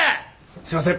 すいません。